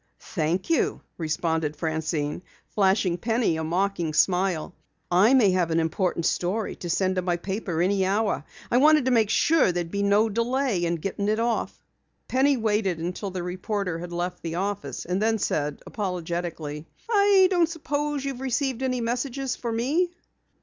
"Thank you," responded Francine, flashing Penny a mocking smile. "I may have an important story to send to my paper any hour. I wanted to be sure there would be no delay in getting it off." Penny waited until the reporter had left the office and then said apologetically: "I don't suppose you've received any message for me?"